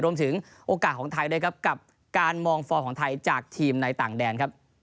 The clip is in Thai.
รวมถึงโอกาสของไทยด้วยกับการมองฟอลของไทยจากทีมในต่างแดน